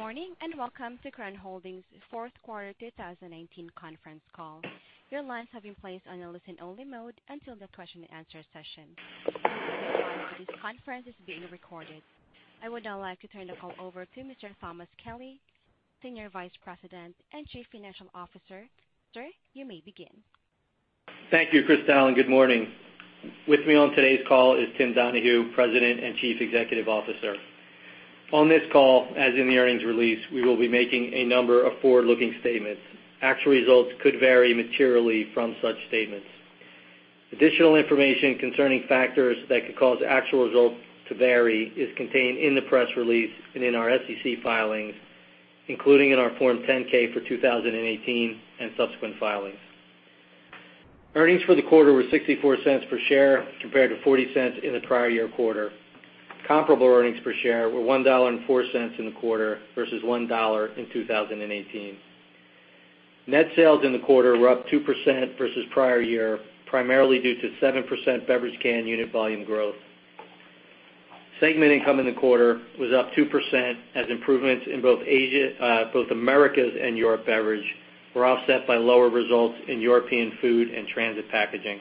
Good morning, and welcome to Crown Holdings' Fourth Quarter 2019 Conference Call. Your lines have been placed on a listen-only mode until the question and answer session. This conference is being recorded. I would now like to turn the call over to Mr. Thomas Kelly, Senior Vice President and Chief Financial Officer. Sir, you may begin. Thank you, Crystal, and good morning. With me on today's call is Tim Donahue, President and Chief Executive Officer. On this call, as in the earnings release, we will be making a number of forward-looking statements. Actual results could vary materially from such statements. Additional information concerning factors that could cause actual results to vary is contained in the press release and in our SEC filings, including in our Form 10-K for 2018 and subsequent filings. Earnings for the quarter were $0.64 per share compared to $0.40 in the prior year quarter. Comparable earnings per share were $1.04 in the quarter versus $1 in 2018. Net sales in the quarter were up 2% versus prior year, primarily due to 7% beverage can unit volume growth. Segment income in the quarter was up 2% as improvements in both Americas Beverage and European Beverage were offset by lower results in European Food and Transit Packaging.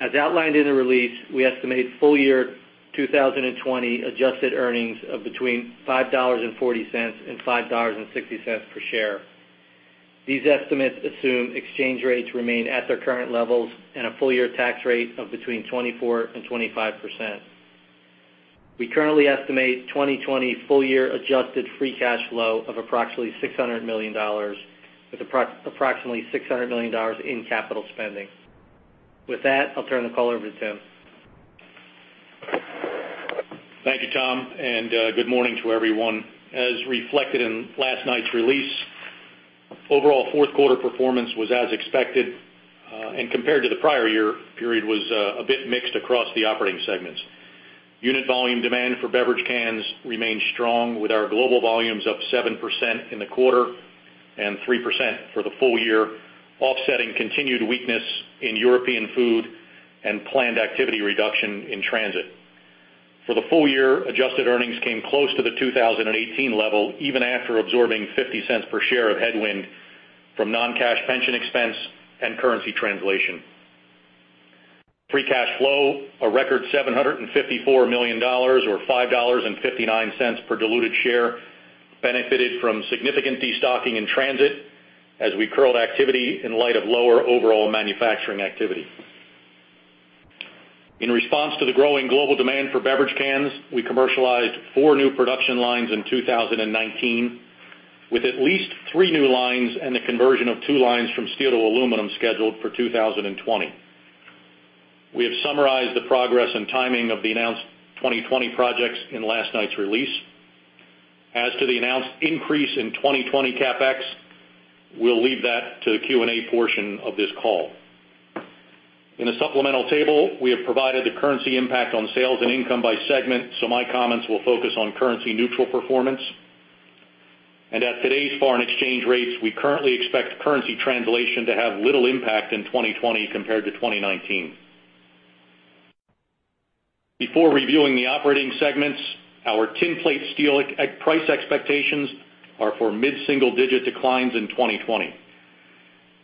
As outlined in the release, we estimate full year 2020 adjusted earnings of between $5.40 and $5.60 per share. These estimates assume exchange rates remain at their current levels and a full year tax rate of between 24% and 25%. We currently estimate 2020 full year adjusted free cash flow of approximately $600 million, with approximately $600 million in capital spending. With that, I'll turn the call over to Tim. Thank you, Tom. Good morning to everyone. As reflected in last night's release, overall fourth quarter performance was as expected, and compared to the prior year period, was a bit mixed across the operating segments. Unit volume demand for beverage cans remained strong with our global volumes up 7% in the quarter and 3% for the full year, offsetting continued weakness in European Food and planned activity reduction in Transit. For the full year, adjusted earnings came close to the 2018 level, even after absorbing $0.50 per share of headwind from non-cash pension expense and currency translation. Free cash flow, a record $754 million or $5.59 per diluted share, benefited from significant destocking in Transit as we curtailed activity in light of lower overall manufacturing activity. In response to the growing global demand for beverage cans, we commercialized four new production lines in 2019, with at least three new lines and the conversion of two lines from steel to aluminum scheduled for 2020. We have summarized the progress and timing of the announced 2020 projects in last night's release. As to the announced increase in 2020 CapEx, we'll leave that to the Q&A portion of this call. In the supplemental table, we have provided the currency impact on sales and income by segment, so my comments will focus on currency-neutral performance. At today's foreign exchange rates, we currently expect currency translation to have little impact in 2020 compared to 2019. Before reviewing the operating segments, our tin plate steel price expectations are for mid-single-digit declines in 2020.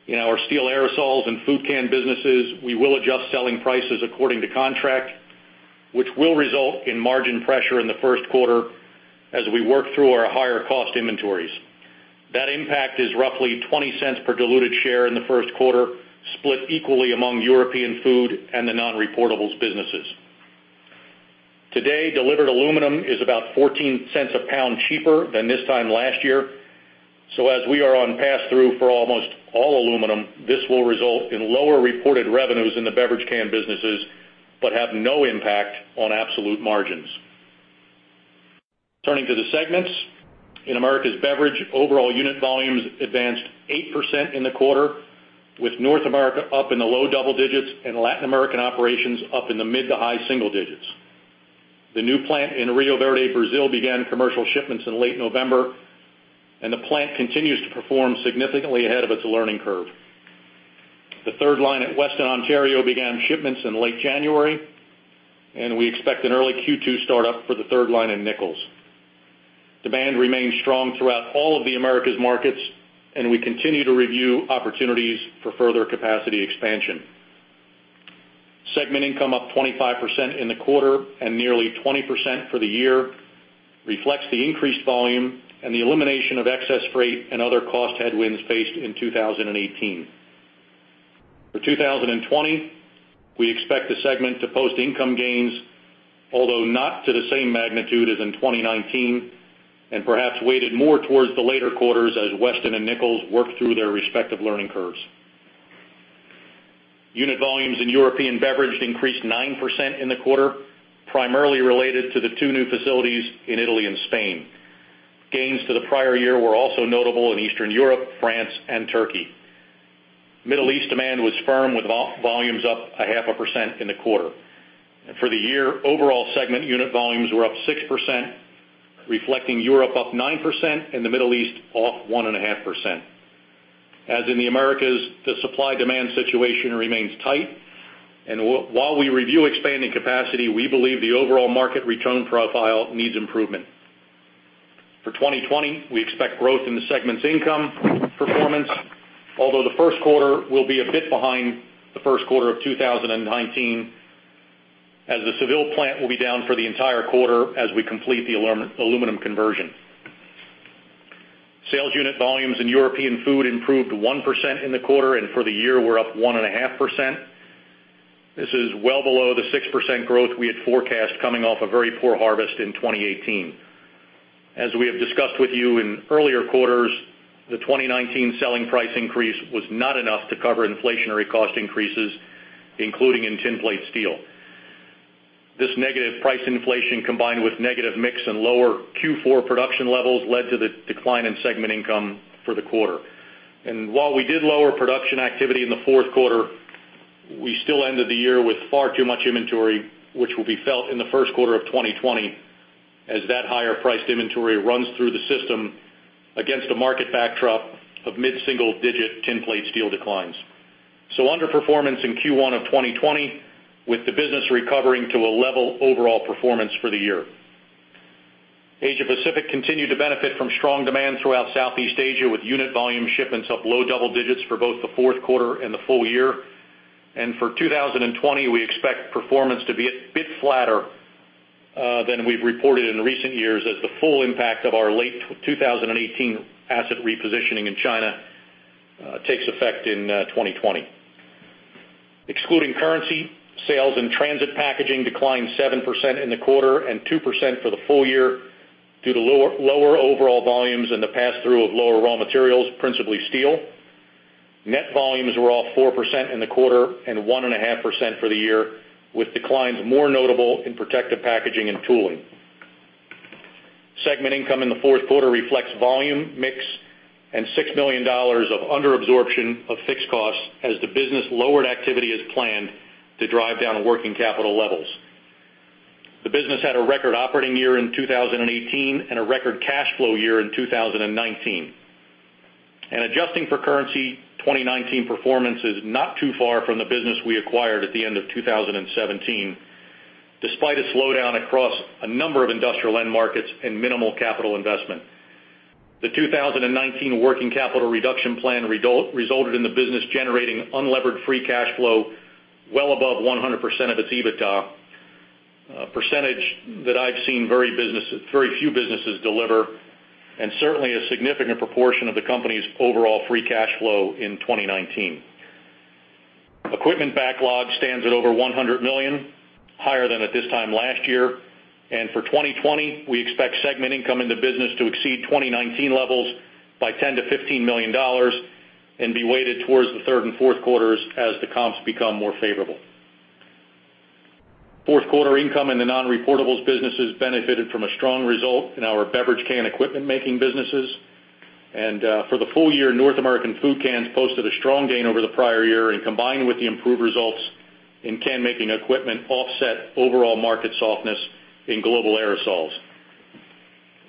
In our steel aerosols and food can businesses, we will adjust selling prices according to contract, which will result in margin pressure in the first quarter as we work through our higher-cost inventories. That impact is roughly $0.20 per diluted share in the first quarter, split equally among European Food and the Non-reportable businesses. Today, delivered aluminum is about $0.14 a pound cheaper than this time last year. As we are on pass-through for almost all aluminum, this will result in lower reported revenues in the beverage can businesses but have no impact on absolute margins. Turning to the segments. In Americas Beverage, overall unit volumes advanced 8% in the quarter, with North America up in the low double digits and Latin American operations up in the mid to high single digits. The new plant in Rio Verde, Brazil, began commercial shipments in late November, and the plant continues to perform significantly ahead of its learning curve. The third line at Weston, Ontario, began shipments in late January, we expect an early Q2 start-up for the third line in Nichols. Demand remains strong throughout all of the Americas markets, and we continue to review opportunities for further capacity expansion. Segment income up 25% in the quarter and nearly 20% for the year reflects the increased volume and the elimination of excess freight and other cost headwinds faced in 2018. For 2020, we expect the segment to post income gains, although not to the same magnitude as in 2019, and perhaps weighted more towards the later quarters as Weston and Nichols work through their respective learning curves. Unit volumes in European Beverage increased 9% in the quarter, primarily related to the two new facilities in Italy and Spain. Gains to the prior year were also notable in Eastern Europe, France, and Turkey. Middle East demand was firm with volumes up a half a percent in the quarter. For the year, overall segment unit volumes were up 6%, reflecting Europe up 9% and the Middle East off 1.5%. As in the Americas, the supply-demand situation remains tight. While we review expanding capacity, we believe the overall market return profile needs improvement. For 2020, we expect growth in the segment's income performance, although the first quarter will be a bit behind the first quarter of 2019, as the Seville plant will be down for the entire quarter as we complete the aluminum conversion. Sales unit volumes in European Food improved 1% in the quarter, and for the year were up 1.5%. This is well below the 6% growth we had forecast coming off a very poor harvest in 2018. As we have discussed with you in earlier quarters, the 2019 selling price increase was not enough to cover inflationary cost increases, including in tin plate steel. This negative price inflation, combined with negative mix and lower Q4 production levels, led to the decline in segment income for the quarter. While we did lower production activity in the fourth quarter, we still ended the year with far too much inventory, which will be felt in the first quarter of 2020 as that higher priced inventory runs through the system against a market backdrop of mid-single-digit tin plate steel declines. Underperformance in Q1 of 2020, with the business recovering to a level overall performance for the year. Asia Pacific continued to benefit from strong demand throughout Southeast Asia, with unit volume shipments up low double digits for both the fourth quarter and the full year. For 2020, we expect performance to be a bit flatter than we've reported in recent years as the full impact of our late 2018 asset repositioning in China takes effect in 2020. Excluding currency, sales and Transit Packaging declined 7% in the quarter and 2% for the full year due to lower overall volumes and the pass-through of lower raw materials, principally steel. Net volumes were off 4% in the quarter and 1.5% for the year, with declines more notable in protective packaging and tooling. Segment income in the fourth quarter reflects volume mix and $6 million of under-absorption of fixed costs as the business lowered activity as planned to drive down working capital levels. The business had a record operating year in 2018 and a record cash flow year in 2019. Adjusting for currency, 2019 performance is not too far from the business we acquired at the end of 2017, despite a slowdown across a number of industrial end markets and minimal capital investment. The 2019 working capital reduction plan resulted in the business generating unlevered free cash flow well above 100% of its EBITDA, a percentage that I've seen very few businesses deliver and certainly a significant proportion of the company's overall free cash flow in 2019. Equipment backlog stands at over $100 million, higher than at this time last year. For 2020, we expect segment income in the business to exceed 2019 levels by $10 million-$15 million and be weighted towards the third and fourth quarters as the comps become more favorable. Fourth quarter income in the Non-reportable businesses benefited from a strong result in our beverage can equipment making businesses. For the full year, North American food cans posted a strong gain over the prior year and combined with the improved results in can-making equipment offset overall market softness in global aerosols.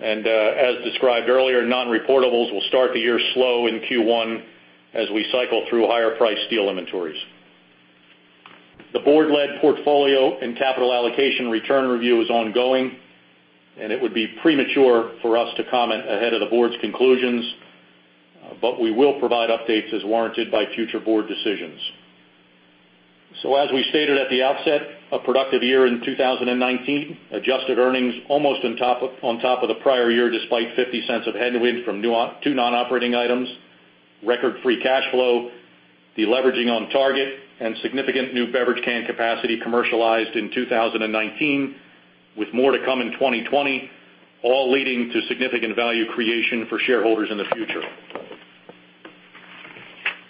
As described earlier, Non-reportable will start the year slow in Q1 as we cycle through higher priced steel inventories. The board-led portfolio and capital allocation return review is ongoing, and it would be premature for us to comment ahead of the board's conclusions, but we will provide updates as warranted by future board decisions. As we stated at the outset, a productive year in 2019, adjusted earnings almost on top of the prior year, despite $0.50 of headwind from two non-operating items, record free cash flow, deleveraging on target, and significant new beverage can capacity commercialized in 2019, with more to come in 2020, all leading to significant value creation for shareholders in the future.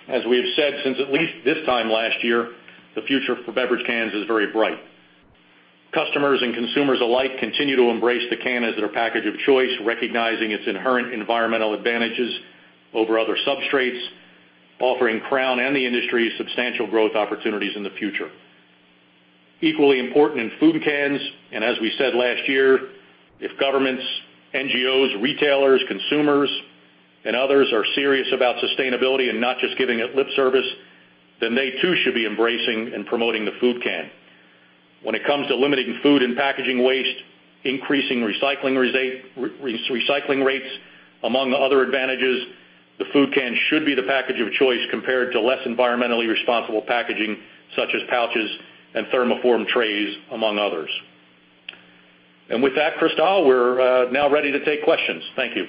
As we have said since at least this time last year, the future for beverage cans is very bright. Customers and consumers alike continue to embrace the can as their package of choice, recognizing its inherent environmental advantages over other substrates, offering Crown and the industry substantial growth opportunities in the future. Equally important in food cans, as we said last year, if governments, NGOs, retailers, consumers, and others are serious about sustainability and not just giving it lip service, then they too should be embracing and promoting the food can. When it comes to limiting food and packaging waste, increasing recycling rates, among other advantages, the food can should be the package of choice compared to less environmentally responsible packaging such as pouches and thermoform trays, among others. With that, Crystal, we're now ready to take questions. Thank you.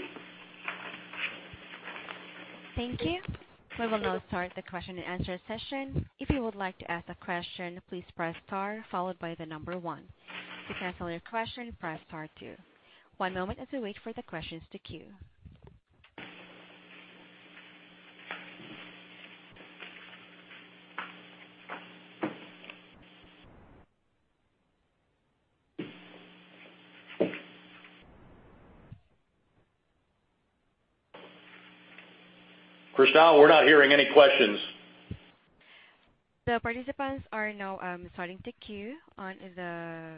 Thank you. We will now start the question and answer session. If you would like to ask a question, please press star followed by the number one. To cancel your question, press star two. One moment as we wait for the questions to queue. Crystal, we're not hearing any questions. The participants are now starting to queue on the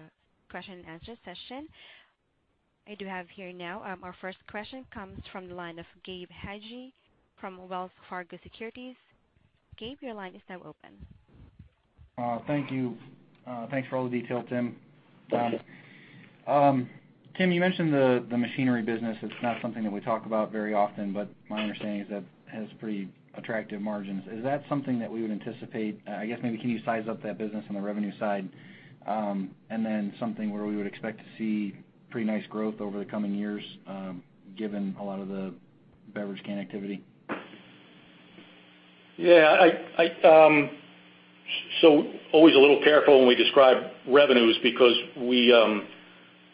question and answer session. I do have here now our first question comes from the line of Gabe Hajde from Wells Fargo Securities. Gabe, your line is now open. Thank you. Thanks for all the detail, Tim. Thank you. Tim, you mentioned the machinery business. It's not something that we talk about very often, but my understanding is that it has pretty attractive margins. Is that something that we would anticipate, I guess maybe, can you size up that business on the revenue side? Then something where we would expect to see pretty nice growth over the coming years, given a lot of the beverage can activity? Yeah. Always a little careful when we describe revenues because we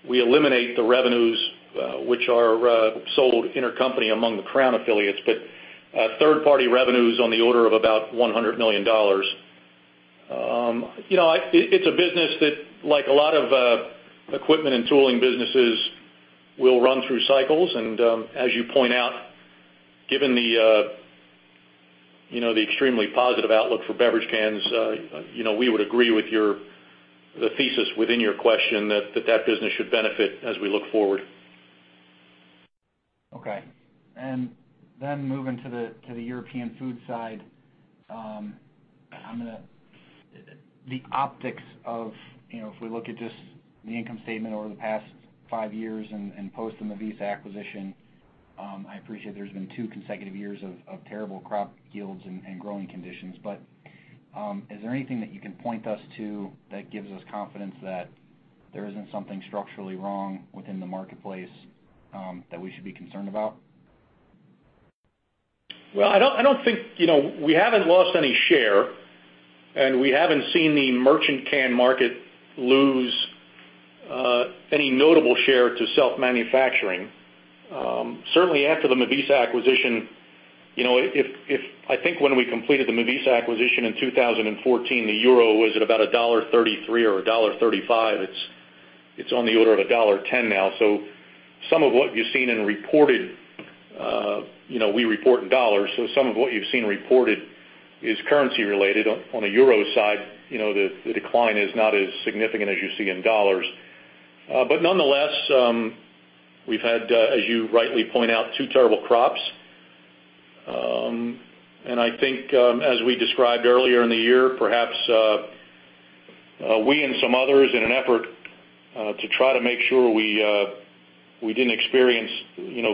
eliminate the revenues which are sold intercompany among the Crown affiliates. Third-party revenue is on the order of about $100 million. It's a business that, like a lot of equipment and tooling businesses, will run through cycles. As you point out, given the extremely positive outlook for beverage cans, we would agree with the thesis within your question that business should benefit as we look forward. Okay. Moving to the European Food side. The optics of, if we look at just the income statement over the past five years and post in the Mivisa acquisition, I appreciate there's been two consecutive years of terrible crop yields and growing conditions. Is there anything that you can point us to that gives us confidence that there isn't something structurally wrong within the marketplace that we should be concerned about? Well, we haven't lost any share, and we haven't seen the merchant can market lose any notable share to self-manufacturing. Certainly after the Mivisa acquisition, I think when we completed the Mivisa acquisition in 2014, the euro was at about $1.33 or $1.35. It's on the order of $1.10 now. We report in dollars, so some of what you've seen reported is currency related. On the euro side, the decline is not as significant as you see in dollars. Nonetheless, we've had, as you rightly point out, two terrible crops. I think as we described earlier in the year, perhaps we and some others, in an effort to try to make sure we didn't experience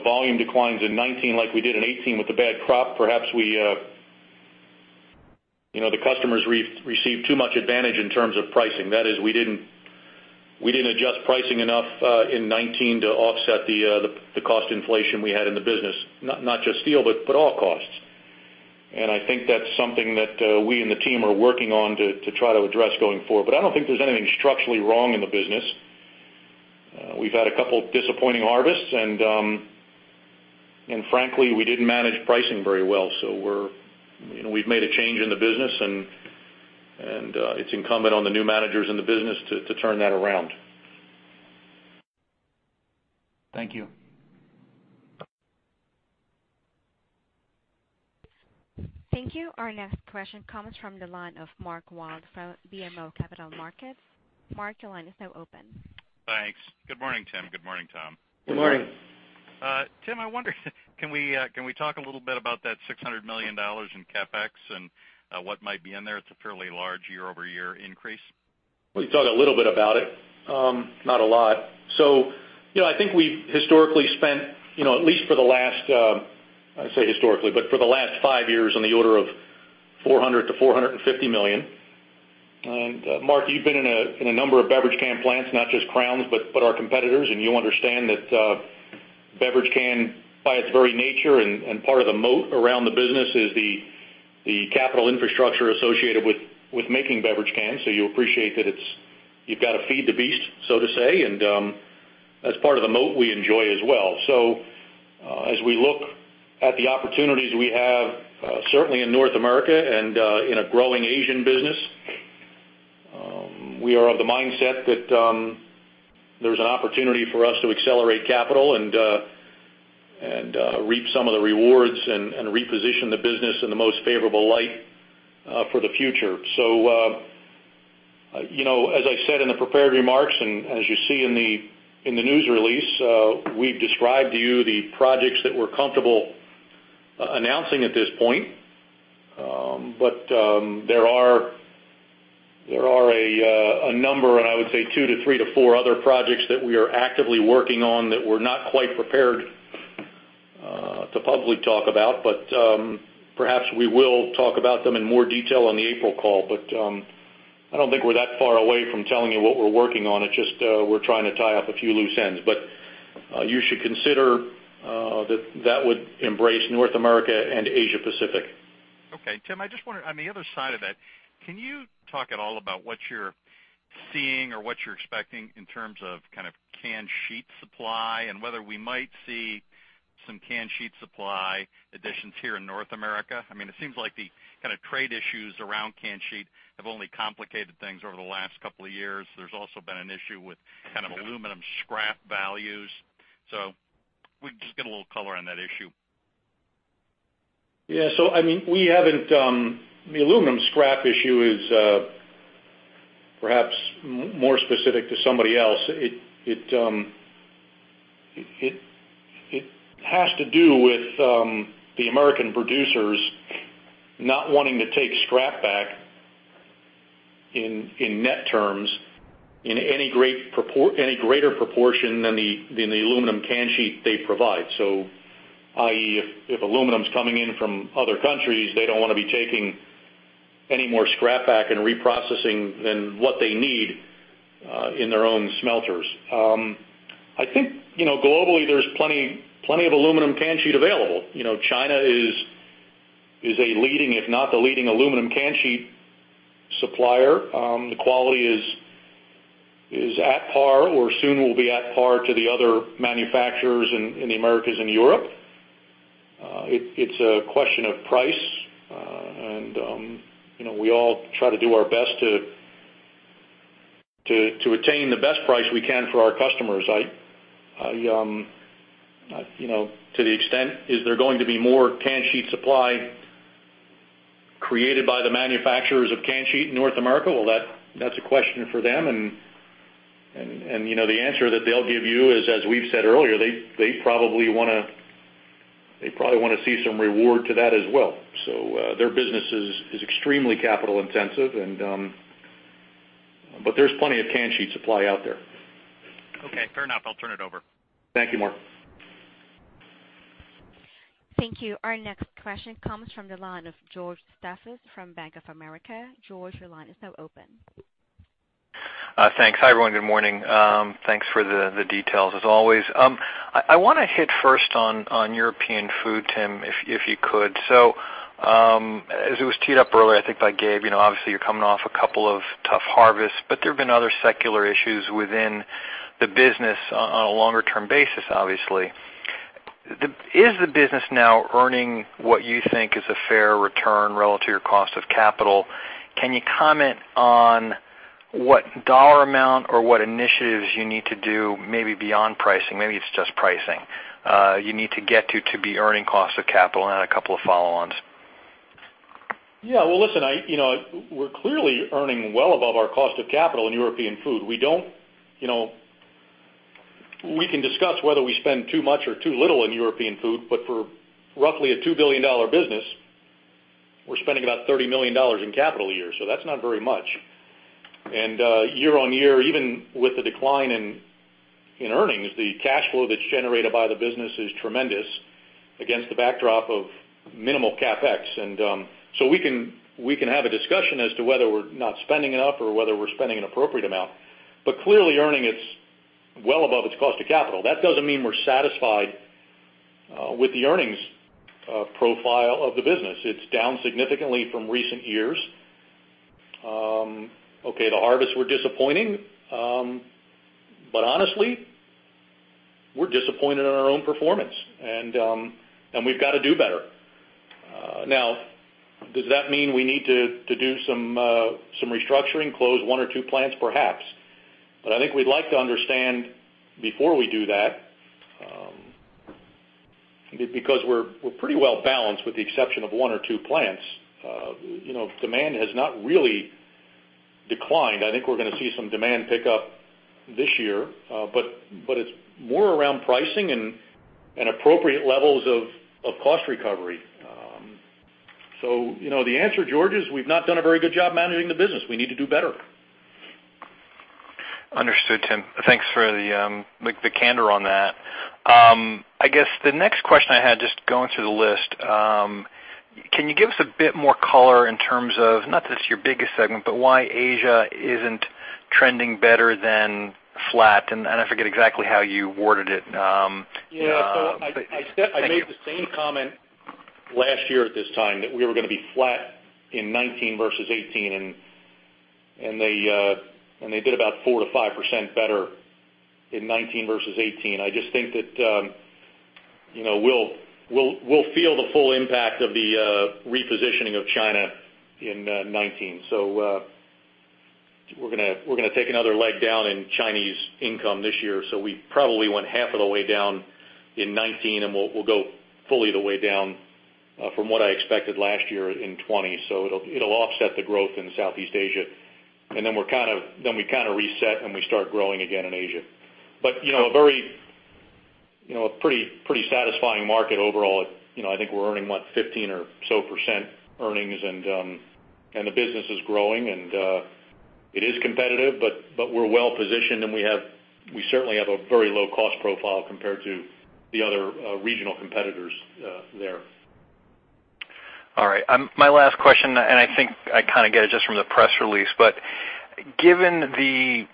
volume declines in 2019 like we did in 2018 with the bad crop. Perhaps the customers received too much advantage in terms of pricing. That is, we didn't adjust pricing enough in 2019 to offset the cost inflation we had in the business. Not just steel, but all costs. I think that's something that we and the team are working on to try to address going forward. I don't think there's anything structurally wrong in the business. We've had a couple disappointing harvests and frankly, we didn't manage pricing very well. We've made a change in the business and it's incumbent on the new managers in the business to turn that around. Thank you. Thank you. Our next question comes from the line of Mark Wilde from BMO Capital Markets. Mark, your line is now open. Thanks. Good morning, Tim. Good morning, Tom. Good morning. Tim, I wonder can we talk a little bit about that $600 million in CapEx and what might be in there? It's a fairly large year-over-year increase. We can talk a little bit about it. Not a lot. I think we historically spent, at least for the last, I say historically, but for the last five years on the order of $400 million-$450 million. Mark, you've been in a number of beverage can plants, not just Crown's, but our competitors. You understand that beverage can, by its very nature and part of the moat around the business is the capital infrastructure associated with making beverage cans. You appreciate that you've got to feed the beast, so to say, and that's part of the moat we enjoy as well. As we look at the opportunities we have, certainly in North America and in a growing Asian business, we are of the mindset that there's an opportunity for us to accelerate capital and reap some of the rewards and reposition the business in the most favorable light for the future. As I said in the prepared remarks, and as you see in the news release, we've described to you the projects that we're comfortable announcing at this point. There are a number, and I would say two to three to four other projects that we are actively working on that we're not quite prepared to publicly talk about. Perhaps we will talk about them in more detail on the April call. I don't think we're that far away from telling you what we're working on. It's just we're trying to tie up a few loose ends. You should consider that would embrace North America and Asia Pacific. Okay. Tim, I just wonder on the other side of that, can you talk at all about what you're seeing or what you're expecting in terms of can sheet supply and whether we might see some can sheet supply additions here in North America? It seems like the trade issues around can sheet have only complicated things over the last couple of years. There's also been an issue with aluminum scrap values. Could we just get a little color on that issue? Yeah. The aluminum scrap issue is perhaps more specific to somebody else. It has to do with the American producers not wanting to take scrap back in net terms in any greater proportion than the aluminum can sheet they provide. I.e., if aluminum's coming in from other countries, they don't want to be taking any more scrap back and reprocessing than what they need in their own smelters. I think, globally, there's plenty of aluminum can sheet available. China is a leading, if not the leading aluminum can sheet supplier. The quality is at par or soon will be at par to the other manufacturers in the Americas and Europe. It's a question of price. We all try to do our best to attain the best price we can for our customers. Is there going to be more can sheet supply created by the manufacturers of can sheet in North America? That's a question for them, and the answer that they'll give you is, as we've said earlier, they probably want to see some reward to that as well. Their business is extremely capital intensive, but there's plenty of can sheet supply out there. Okay, fair enough. I'll turn it over. Thank you, Mark. Thank you. Our next question comes from the line of George Staphos from Bank of America. George, your line is now open. Thanks. Hi, everyone. Good morning. Thanks for the details, as always. I want to hit first on European Food, Tim, if you could. As it was teed up earlier, I think by Gabe, obviously you're coming off a couple of tough harvests, but there have been other secular issues within the business on a longer term basis, obviously. Is the business now earning what you think is a fair return relative to your cost of capital? Can you comment on what dollar amount or what initiatives you need to do, maybe beyond pricing, maybe it's just pricing, you need to get to be earning cost of capital? A couple of follow-ons. Yeah. Well, listen, we're clearly earning well above our cost of capital in European Food. We can discuss whether we spend too much or too little in European Food, but for roughly a $2 billion business, we're spending about $30 million in capital a year. That's not very much. Year-over-year, even with the decline in earnings, the cash flow that's generated by the business is tremendous against the backdrop of minimal CapEx. We can have a discussion as to whether we're not spending enough or whether we're spending an appropriate amount, but clearly earning it's well above its cost of capital. That doesn't mean we're satisfied with the earnings profile of the business. It's down significantly from recent years. Okay, the harvests were disappointing. Honestly, we're disappointed in our own performance, and we've got to do better. Does that mean we need to do some restructuring, close one or two plants? Perhaps. I think we'd like to understand before we do that, because we're pretty well balanced with the exception of one or two plants. Demand has not really declined. I think we're going to see some demand pick up this year. It's more around pricing and appropriate levels of cost recovery. The answer, George, is we've not done a very good job managing the business. We need to do better. Understood, Tim. Thanks for the candor on that. I guess the next question I had, just going through the list, can you give us a bit more color in terms of, not that it's your biggest segment, but why Asia isn't trending better than flat? I forget exactly how you worded it. Thank you. Yeah. I made the same comment last year at this time, that we were going to be flat in 2019 versus 2018, and they did about 4%-5% better in 2019 versus 2018. I just think that we'll feel the full impact of the repositioning of China in 2019. We're going to take another leg down in Chinese income this year. We probably went half of the way down in 2019, and we'll go fully the way down from what I expected last year in 2020. It'll offset the growth in Southeast Asia. We kind of reset, and we start growing again in Asia. A pretty satisfying market overall. I think we're earning, what, 15% or so earnings, and the business is growing, and it is competitive, but we're well-positioned, and we certainly have a very low cost profile compared to the other regional competitors there. My last question, I think I kind of get it just from the press release, given the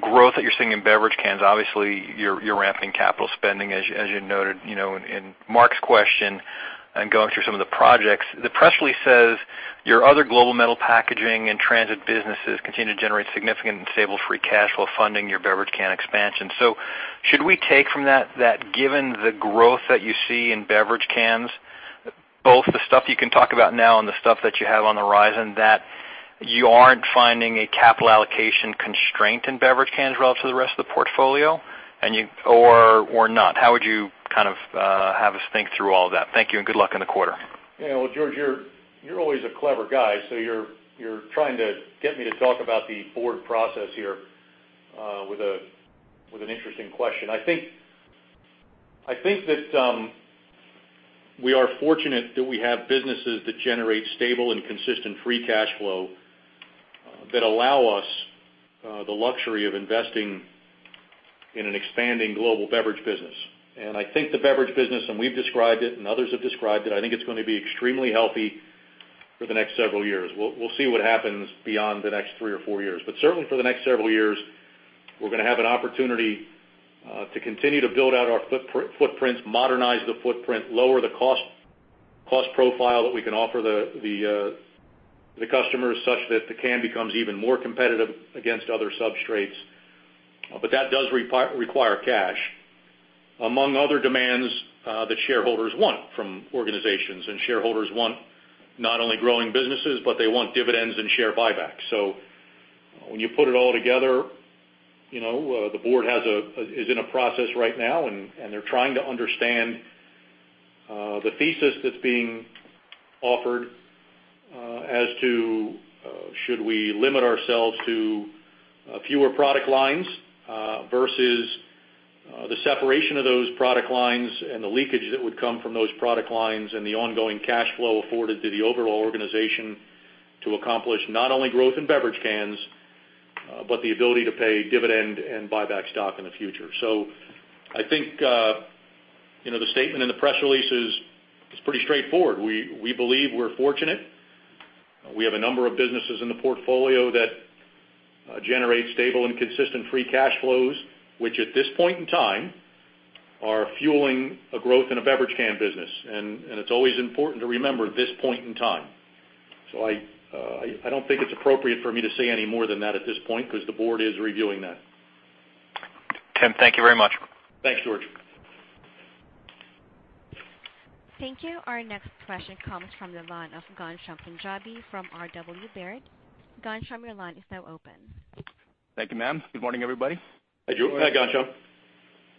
growth that you're seeing in beverage cans, obviously you're ramping capital spending, as you noted in Mark's question and going through some of the projects. The press release says your other global metal packaging and Transit Packaging businesses continue to generate significant and stable free cash flow funding your beverage can expansion. Should we take from that that given the growth that you see in beverage cans, both the stuff you can talk about now and the stuff that you have on the horizon, that you aren't finding a capital allocation constraint in beverage cans relative to the rest of the portfolio, or not? How would you have us think through all of that? Thank you, and good luck in the quarter. Yeah. Well, George, you're always a clever guy, so you're trying to get me to talk about the board process here with an interesting question. I think that we are fortunate that we have businesses that generate stable and consistent free cash flow that allow us the luxury of investing in an expanding global beverage business. I think the beverage business, and we've described it, and others have described it, I think it's going to be extremely healthy for the next several years. We'll see what happens beyond the next three or four years. Certainly for the next several years, we're going to have an opportunity to continue to build out our footprints, modernize the footprint, lower the cost profile that we can offer the customers such that the can becomes even more competitive against other substrates. That does require cash, among other demands that shareholders want from organizations. Shareholders want not only growing businesses, but they want dividends and share buybacks. When you put it all together, the board is in a process right now, and they're trying to understand the thesis that's being offered as to should we limit ourselves to fewer product lines versus the separation of those product lines and the leakage that would come from those product lines and the ongoing cash flow afforded to the overall organization to accomplish not only growth in beverage cans, but the ability to pay dividend and buy back stock in the future. I think, the statement in the press release is pretty straightforward. We believe we're fortunate. We have a number of businesses in the portfolio that generate stable and consistent free cash flows, which at this point in time are fueling a growth in a beverage can business, and it's always important to remember this point in time. I don't think it's appropriate for me to say any more than that at this point because the board is reviewing that. Tim, thank you very much. Thanks, George. Thank you. Our next question comes from the line of Ghansham Panjabi from RW Baird. Ghansham, your line is now open. Thank you, ma'am. Good morning, everybody. Hey, Ghansham.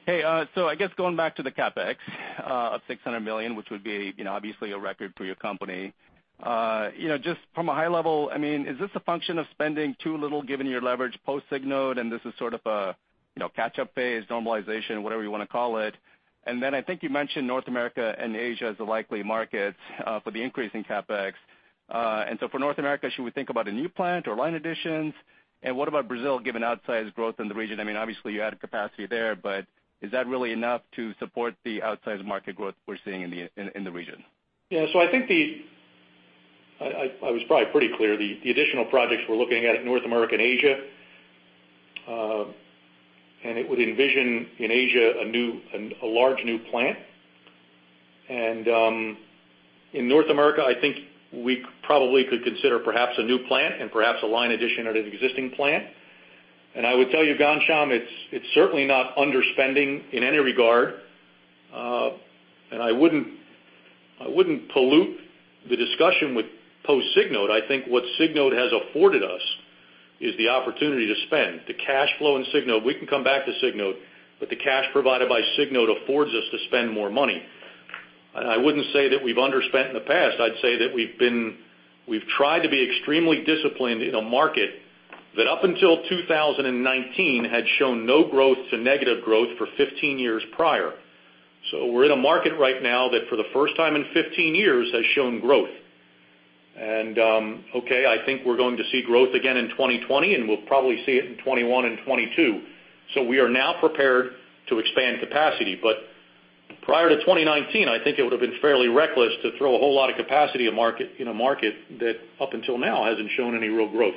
Hey, I guess going back to the CapEx of $600 million, which would be obviously a record for your company. Just from a high level, is this a function of spending too little given your leverage post Signode, and this is sort of a catch-up phase, normalization, whatever you want to call it? I think you mentioned North America and Asia as the likely markets for the increase in CapEx. For North America, should we think about a new plant or line additions? What about Brazil, given outsized growth in the region? Obviously, you added capacity there, but is that really enough to support the outsized market growth we're seeing in the region? I was probably pretty clear the additional projects we're looking at in North America and Asia. It would envision in Asia a large new plant. In North America, I think we probably could consider perhaps a new plant and perhaps a line addition at an existing plant. I would tell you, Ghansham, it's certainly not underspending in any regard. I wouldn't pollute the discussion with post-Signode. I think what Signode has afforded us is the opportunity to spend. The cash flow in Signode, we can come back to Signode, the cash provided by Signode affords us to spend more money. I wouldn't say that we've underspent in the past. I'd say that we've tried to be extremely disciplined in a market that up until 2019 had shown no growth to negative growth for 15 years prior. We're in a market right now that for the first time in 15 years has shown growth. Okay, I think we're going to see growth again in 2020, and we'll probably see it in 2021 and 2022. We are now prepared to expand capacity. Prior to 2019, I think it would have been fairly reckless to throw a whole lot of capacity in a market that up until now hasn't shown any real growth.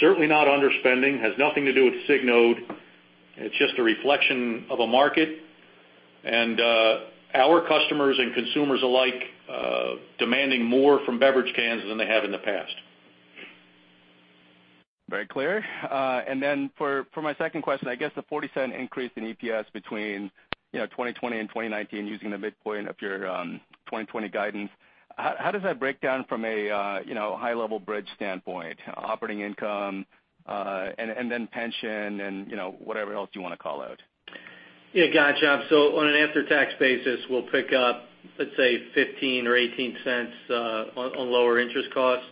Certainly not underspending, has nothing to do with Signode. It's just a reflection of a market, and our customers and consumers alike demanding more from beverage cans than they have in the past. Very clear. For my second question, I guess the $0.40 increase in EPS between 2020 and 2019 using the midpoint of your 2020 guidance, how does that break down from a high-level bridge standpoint, operating income, and then pension and whatever else you want to call out? Ghansham. On an after-tax basis, we'll pick up, let's say $0.15 or $0.18 on lower interest cost.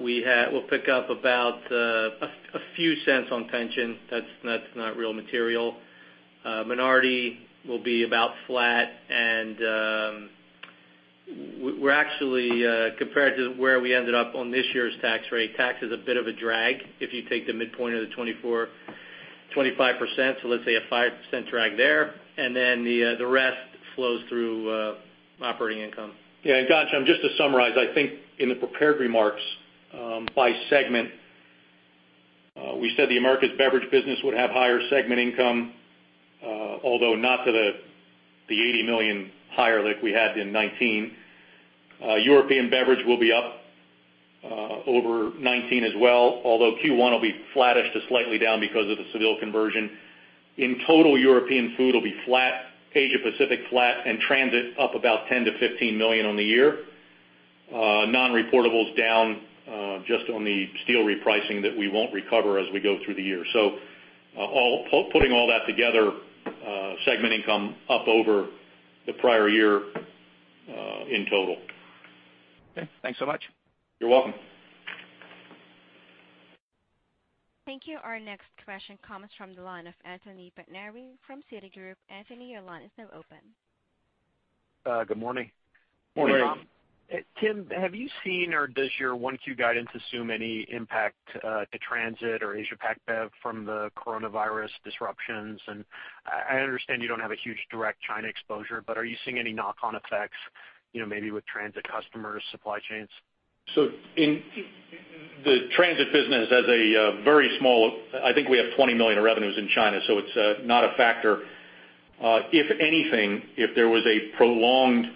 We'll pick up about a few cents on pension. That's not real material. Minority will be about flat, and we're actually, compared to where we ended up on this year's tax rate, tax is a bit of a drag if you take the midpoint of the 25%, so let's say a 5% drag there. Then the rest flows through operating income. Ghansham, just to summarize, I think in the prepared remarks by segment, we said the Americas Beverage business would have higher segment income, although not to the $80 million higher like we had in 2019. European Beverage will be up over 2019 as well, although Q1 will be flattish to slightly down because of the Seville conversion. In total, European Food will be flat, Asia Pacific flat, and Transit Packaging up about $10 million-$15 million on the year. Non-reportables down just on the steel repricing that we won't recover as we go through the year. Putting all that together, segment income up over the prior year in total. Okay, thanks so much. You're welcome. Thank you. Our next question comes from the line of Anthony Pettinari from Citigroup. Anthony, your line is now open. Good morning. Morning. Tim, have you seen or does your 1Q guidance assume any impact to Transit or Asia Pac Bev from the coronavirus disruptions? I understand you don't have a huge direct China exposure, but are you seeing any knock-on effects, maybe with Transit customers, supply chains? In the transit business, as a very small, I think we have $20 million of revenues in China, so it's not a factor. If anything, if there was a prolonged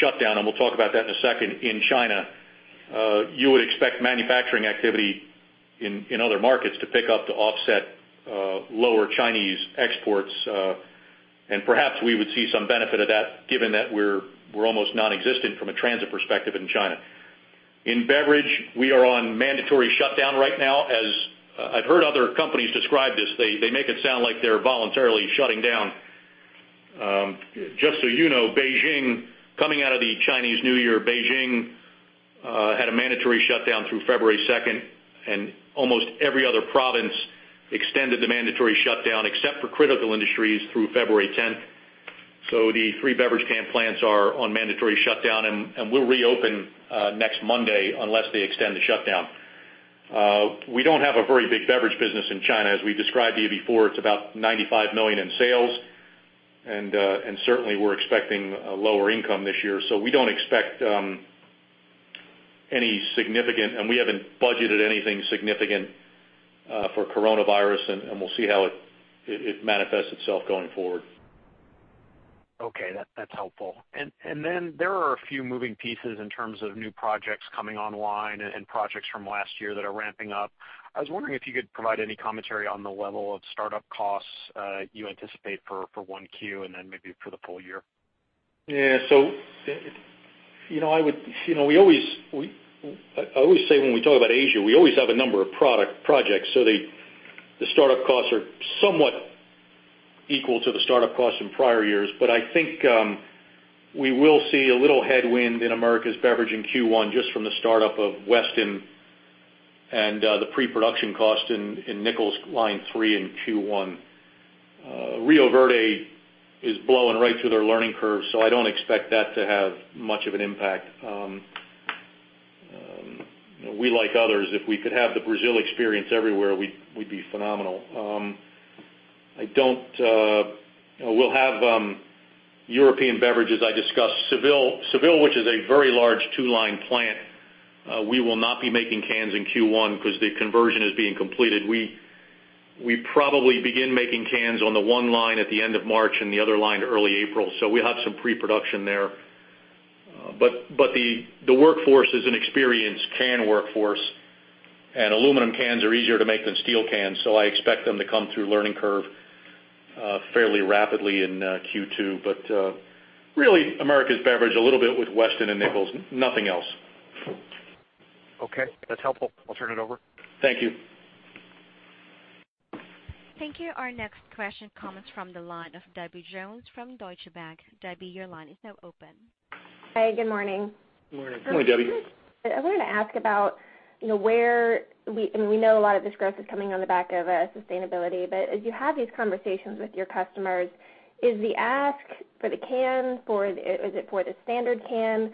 shutdown, and we'll talk about that in a second, in China, you would expect manufacturing activity in other markets to pick up to offset lower Chinese exports. Perhaps we would see some benefit of that given that we're almost nonexistent from a transit perspective in China. In beverage, we are on mandatory shutdown right now. As I've heard other companies describe this, they make it sound like they're voluntarily shutting down. Just so you know, coming out of the Chinese New Year, Beijing had a mandatory shutdown through February 2nd, and almost every other province extended the mandatory shutdown, except for critical industries, through February 10th. The three beverage can plants are on mandatory shutdown, and we'll reopen next Monday unless they extend the shutdown. We don't have a very big beverage business in China. As we described to you before, it's about $95 million in sales, and certainly, we're expecting a lower income this year. We don't expect any significant, and we haven't budgeted anything significant for coronavirus, and we'll see how it manifests itself going forward. Okay, that's helpful. There are a few moving pieces in terms of new projects coming online and projects from last year that are ramping up. I was wondering if you could provide any commentary on the level of startup costs you anticipate for 1Q and then maybe for the full year. Yeah. I always say when we talk about Asia, we always have a number of projects, so the startup costs are somewhat equal to the startup costs in prior years. I think we will see a little headwind in Americas Beverage in Q1 just from the startup of Weston and the pre-production cost in Nichols line three in Q1. Rio Verde is blowing right through their learning curve, so I don't expect that to have much of an impact. We, like others, if we could have the Brazil experience everywhere, we'd be phenomenal. We'll have European Beverages, I discussed Seville, which is a very large two-line plant. We will not be making cans in Q1 because the conversion is being completed. We probably begin making cans on the one line at the end of March and the other line early April. We'll have some pre-production there. The workforce is an experienced can workforce, and aluminum cans are easier to make than steel cans, so I expect them to come through learning curve fairly rapidly in Q2. Really, Americas Beverage, a little bit with Weston and Nichols. Nothing else. Okay, that's helpful. I'll turn it over. Thank you. Thank you. Our next question comes from the line of Debbie Jones from Deutsche Bank. Debbie, your line is now open. Hi, good morning. Morning. Morning, Debbie. I wanted to ask about where-- we know a lot of this growth is coming on the back of sustainability, as you have these conversations with your customers, is the ask for the can, is it for the standard can?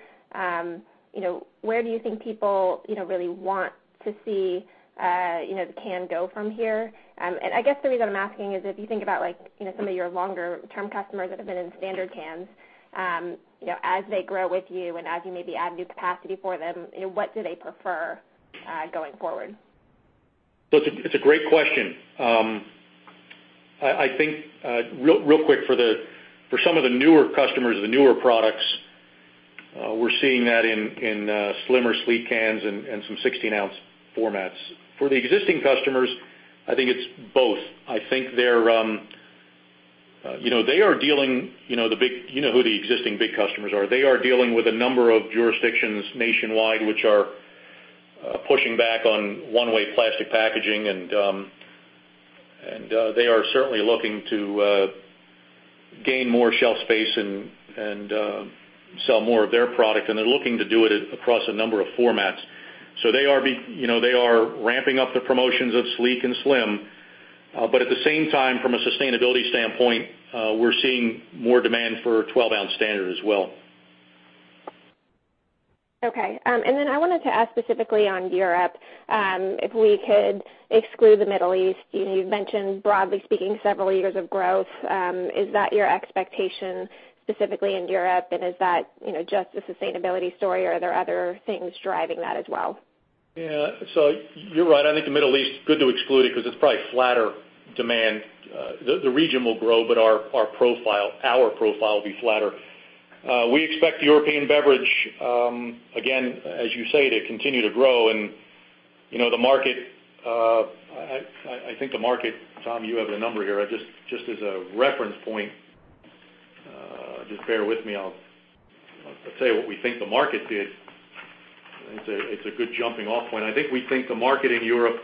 Where do you think people really want to see the can go from here? I guess the reason I'm asking is if you think about some of your longer-term customers that have been in standard cans, as they grow with you and as you maybe add new capacity for them, what do they prefer going forward? It's a great question. I think, real quick, for some of the newer customers, the newer products, we're seeing that in slimmer sleeve cans and some 16-ounce formats. For the existing customers, I think it's both. You know who the existing big customers are. They are dealing with a number of jurisdictions nationwide, which are pushing back on one-way plastic packaging, and they are certainly looking to gain more shelf space and sell more of their product, and they're looking to do it across a number of formats. They are ramping up the promotions of sleek and slim. At the same time, from a sustainability standpoint, we're seeing more demand for 12-ounce standard as well. Okay. I wanted to ask specifically on Europe, if we could exclude the Middle East. You've mentioned, broadly speaking, several years of growth. Is that your expectation specifically in Europe? Is that just a sustainability story, or are there other things driving that as well? Yeah. You're right. I think the Middle East, good to exclude it because it's probably flatter demand. The region will grow, but our profile will be flatter. We expect European Beverage, again, as you say, to continue to grow. The market, I think the market, Tom, you have the number here. Just as a reference point, just bear with me. I'll say what we think the market did. It's a good jumping-off point. I think we think the market in Europe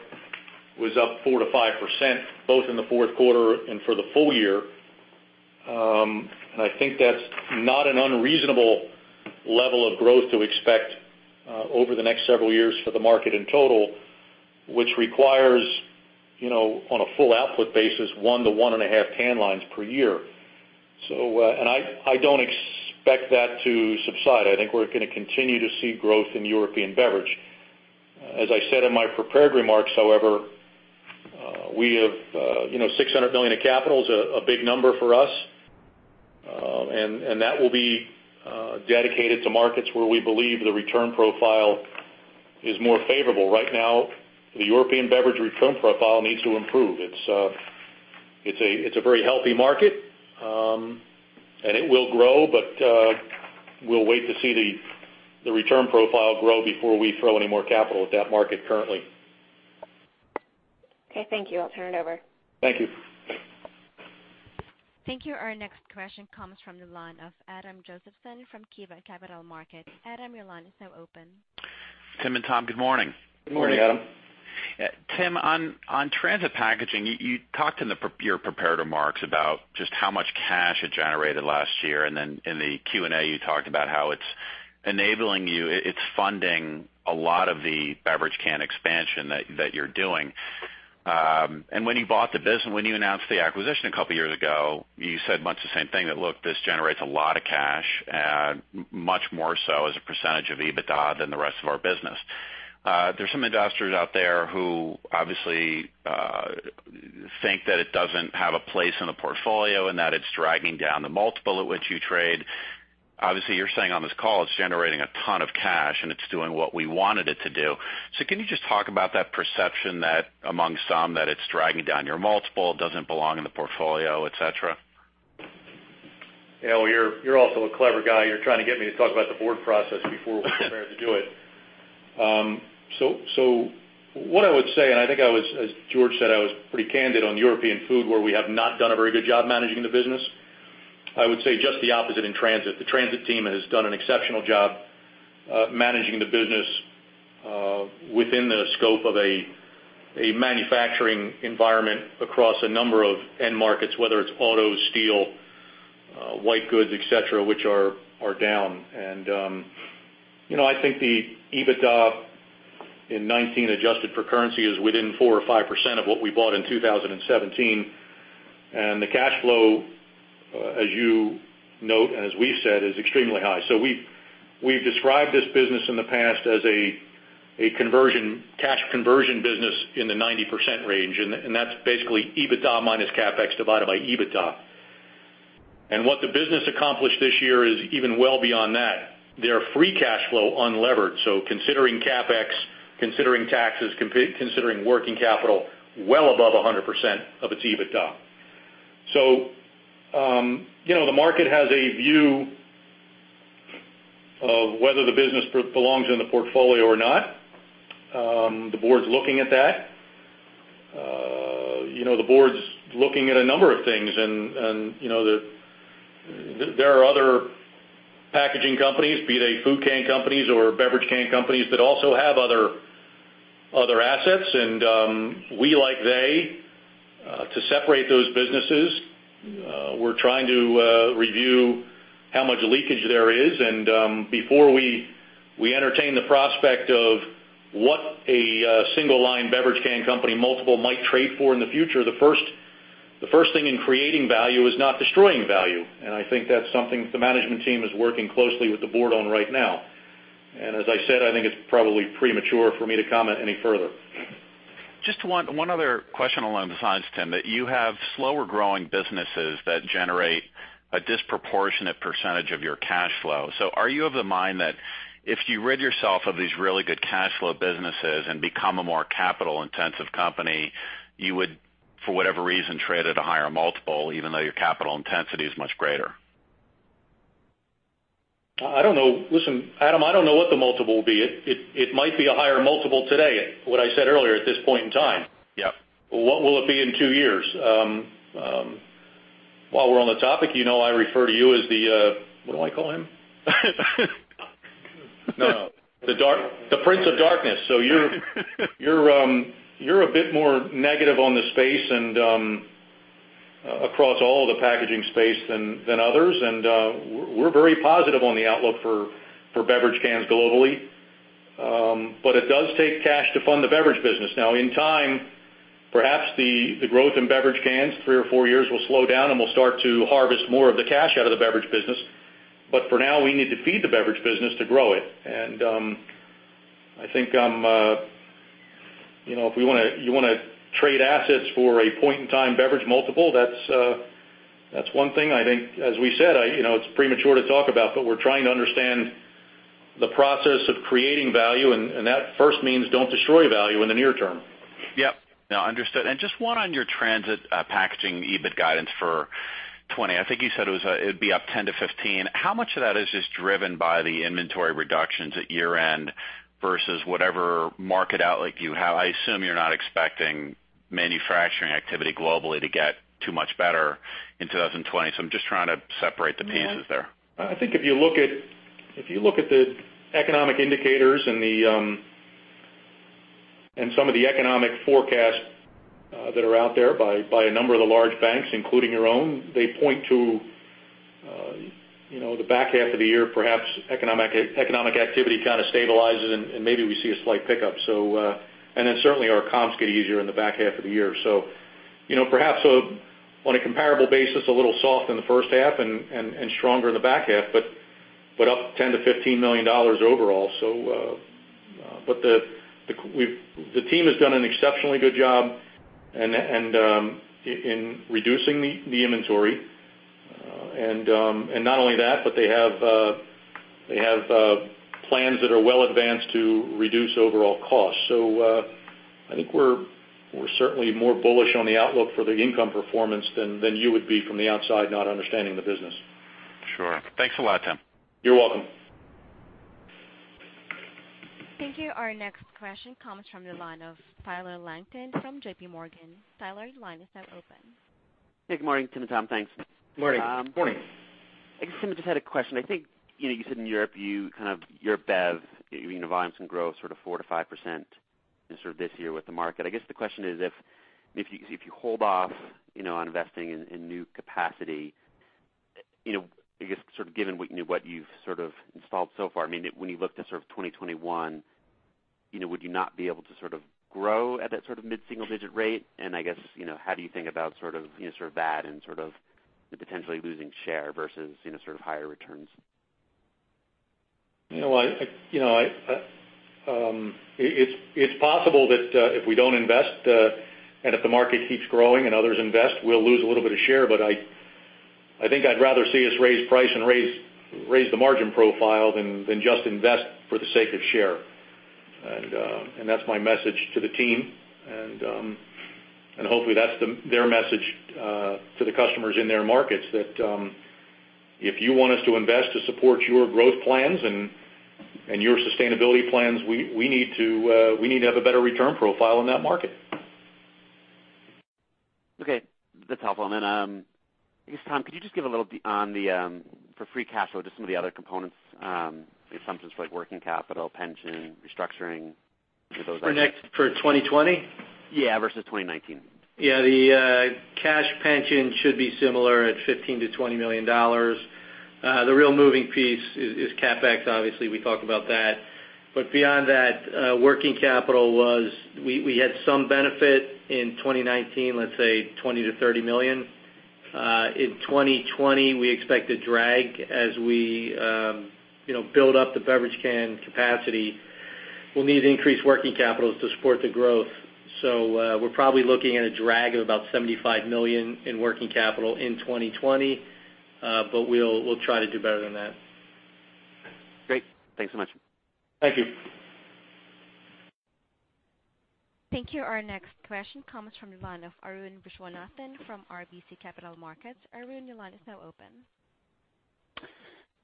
was up 4%-5%, both in the fourth quarter and for the full year. I think that's not an unreasonable level of growth to expect over the next several years for the market in total, which requires, on a full output basis, 1-1.5 can lines per year. I don't expect that to subside. I think we're going to continue to see growth in European Beverage. As I said in my prepared remarks, however, $600 million of capital is a big number for us. That will be dedicated to markets where we believe the return profile is more favorable. Right now, the European Beverage return profile needs to improve. It's a very healthy market, and it will grow, but we'll wait to see the return profile grow before we throw any more capital at that market currently. Okay, thank you. I'll turn it over. Thank you. Thank you. Our next question comes from the line of Adam Josephson from KeyBanc Capital Markets. Adam, your line is now open. Tim and Tom, good morning. Good morning. Good morning, Adam. Tim, on Transit Packaging, you talked in your prepared remarks about just how much cash it generated last year, then in the Q&A, you talked about how it's enabling you, it's funding a lot of the beverage can expansion that you're doing. When you bought the business, when you announced the acquisition a couple of years ago, you said much the same thing, that, "Look, this generates a lot of cash, much more so as a percentage of EBITDA than the rest of our business." Obviously, you're saying on this call it's generating a ton of cash, and it's doing what we wanted it to do. Can you just talk about that perception that amongst some, that it's dragging down your multiple, doesn't belong in the portfolio, et cetera? Yeah, well, you're also a clever guy. You're trying to get me to talk about the Board process before we're prepared to do it. What I would say, I think as George said, I was pretty candid on European Food, where we have not done a very good job managing the business. I would say just the opposite in Transit. The Transit team has done an exceptional job managing the business within the scope of a manufacturing environment across a number of end markets, whether it's auto, steel, white goods, et cetera, which are down. I think the EBITDA in 2019, adjusted for currency, is within 4% or 5% of what we bought in 2017. The cash flow, as you note and as we've said, is extremely high. We've described this business in the past as a cash conversion business in the 90% range, and that's basically EBITDA minus CapEx divided by EBITDA. What the business accomplished this year is even well beyond that. Their free cash flow unlevered, so considering CapEx, considering taxes, considering working capital, well above 100% of its EBITDA. The market has a view of whether the business belongs in the portfolio or not. The board's looking at that. The board's looking at a number of things, and there are other packaging companies, be they food can companies or beverage can companies, that also have other assets, and we like they to separate those businesses. We're trying to review how much leakage there is. Before we entertain the prospect of what a single line beverage can company multiple might trade for in the future, the first thing in creating value is not destroying value. I think that's something the management team is working closely with the board on right now. As I said, I think it's probably premature for me to comment any further. Just one other question along the sides, Tim, that you have slower-growing businesses that generate a disproportionate percentage of your cash flow, are you of the mind that if you rid yourself of these really good cash flow businesses and become a more capital-intensive company, you would, for whatever reason, trade at a higher multiple, even though your capital intensity is much greater? Listen, Adam, I don't know what the multiple will be. It might be a higher multiple today, what I said earlier, at this point in time. Yeah. What will it be in two years? While we're on the topic, I refer to you as what do I call him? No. The Prince of Darkness. You're a bit more negative on the space and across all the packaging space than others, and we're very positive on the outlook for beverage cans globally. It does take cash to fund the beverage business. Now, in time, perhaps the growth in beverage cans, three or four years, will slow down, and we'll start to harvest more of the cash out of the beverage business. For now, we need to feed the beverage business to grow it. I think if you want to trade assets for a point-in-time beverage multiple, that's one thing. I think, as we said, it's premature to talk about, but we're trying to understand the process of creating value, and that first means don't destroy value in the near term. Yep. No, understood. Just one on your Transit Packaging EBIT guidance for 2020, I think you said it would be up 10-15. How much of that is just driven by the inventory reductions at year-end versus whatever market outlook you have? I assume you're not expecting manufacturing activity globally to get too much better in 2020, so I'm just trying to separate the pieces there. I think if you look at the economic indicators and some of the economic forecasts that are out there by a number of the large banks, including your own, they point to the back half of the year, perhaps economic activity kind of stabilizes, and maybe we see a slight pickup. Certainly our comps get easier in the back half of the year. Perhaps on a comparable basis, a little soft in the first half and stronger in the back half, but up $10 million-$15 million overall. The team has done an exceptionally good job in reducing the inventory. Not only that, but they have plans that are well advanced to reduce overall costs. I think we're certainly more bullish on the outlook for the income performance than you would be from the outside, not understanding the business. Sure. Thanks a lot, Tim. You're welcome. Thank you. Our next question comes from the line of Tyler Langton from JPMorgan. Tyler, your line is now open. Good morning, Tim and Tom. Thanks. Morning. Morning. I guess, Tim, I just had a question. I think you said in Europe, your Bev, volumes can grow sort of 4%-5% this year with the market. I guess the question is if you hold off on investing in new capacity, I guess, sort of given what you've sort of installed so far, when you look to sort of 2021, would you not be able to sort of grow at that sort of mid-single digit rate? I guess, how do you think about that and the potentially losing share versus higher returns? It's possible that if we don't invest, and if the market keeps growing and others invest, we'll lose a little bit of share. I think I'd rather see us raise price and raise the margin profile than just invest for the sake of share. That's my message to the team, and hopefully that's their message to the customers in their markets, that if you want us to invest to support your growth plans and your sustainability plans, we need to have a better return profile in that market. Okay, that's helpful. I guess, Tom, could you just give a little on the free cash flow, just some of the other components, assumptions for like working capital, pension, restructuring? For 2020? Yeah, versus 2019. Yeah. The cash pension should be similar at $15 million-$20 million. The real moving piece is CapEx. Obviously, we talked about that. Beyond that, we had some benefit in working capital in 2019, let's say $20 million-$30 million. In 2020, we expect a drag as we build up the beverage can capacity. We'll need increased working capital to support the growth. We're probably looking at a drag of about $75 million in working capital in 2020. We'll try to do better than that. Great. Thanks so much. Thank you. Thank you. Our next question comes from the line of Arun Viswanathan from RBC Capital Markets. Arun, your line is now open.